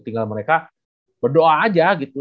tinggal mereka berdoa aja gitu